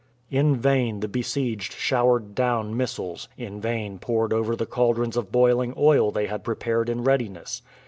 In vain the besieged showered down missiles, in vain poured over the caldrons of boiling oil they had prepared in readiness.